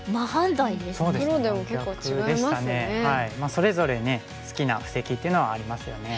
それぞれね好きな布石っていうのはありますよね。